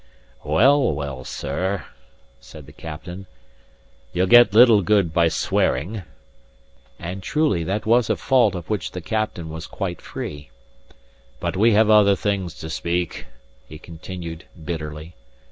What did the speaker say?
"Well, well, sir," said the captain, "ye'll get little good by swearing." (And truly that was a fault of which the captain was quite free.) "But we have other things to speak," he continued, bitterly.